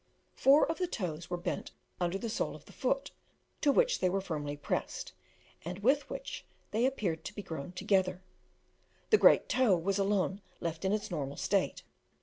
Four of the toes were bent under the sole of the foot, to which they were firmly pressed, and with which they appeared to be grown together; the great toe was alone left in its normal state.